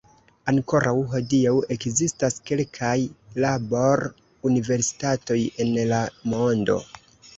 Ankoraŭ hodiaŭ ekzistas kelkaj labor-universitatoj en la mondo.